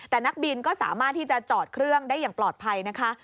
แต่นักบินก็สามารถที่จะจอดเครื่องได้อย่างปลอดภัยนะคะ